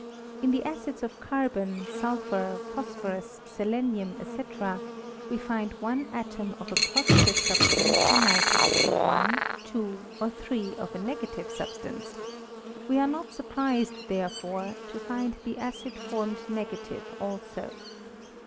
In the acids of carbon, sul phur, phosphorus, selenium, &c., we find one atom of a positive substance united to one, two, or three of a negative substance: we are not surprised, therefore, to find the acid formed negative also.